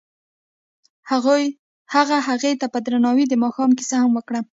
هغه هغې ته په درناوي د ماښام کیسه هم وکړه.